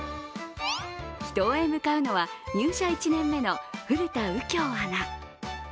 秘湯へ向かうのは入社１年目の古田敬郷アナ。